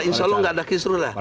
insya allah nggak ada kisruh lah